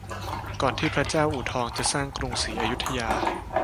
ก่อนที่พระเจ้าอู่ทองจะสร้างกรุงศรีอยุธยา